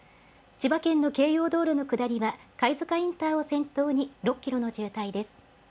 千葉県の京葉道路の下りは貝塚インターを先頭に６キロの渋滞です。